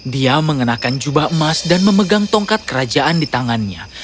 dia mengenakan jubah emas dan memegang tongkat kerajaan di tangannya